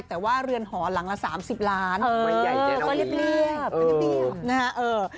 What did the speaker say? แต่ว่าเรือนหอหลังละ๓๐ล้านไม่ใหญ่แน่นอนเรียบ